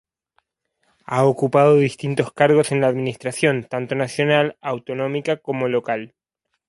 Ha ocupado distintos cargos en la administración, tanto nacional, autonómica como local.